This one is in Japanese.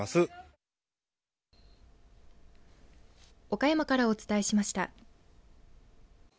岡山からお伝えしました。